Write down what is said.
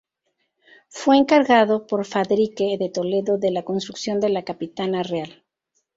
Fue encargado por Fadrique de Toledo de la construcción de la Capitana Real.